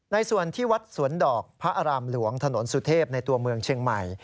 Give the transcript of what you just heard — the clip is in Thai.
ในส่วนที่วัดสวนดอกพระอารามหลวงถนนสุเทพในตัวเมืองเชียงใหม่